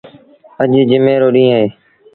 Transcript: اَڄ جمي رو ڏيٚݩهݩ اهي۔